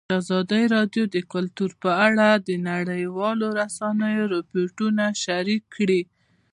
ازادي راډیو د کلتور په اړه د نړیوالو رسنیو راپورونه شریک کړي.